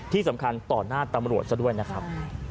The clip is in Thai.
ที่สำคัญต่อหน้าตำรวจซะด้วยนะครับ